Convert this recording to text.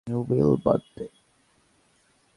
Will, বাদ দে!